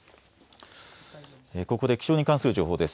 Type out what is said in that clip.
ここで気象に関する情報です。